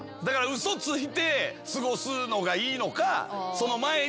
嘘ついて過ごすのがいいのかその前に言うのがいいのか。